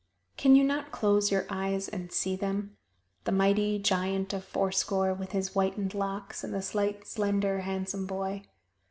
Can you not close your eyes and see them the mighty giant of fourscore, with his whitened locks, and the slight, slender, handsome boy?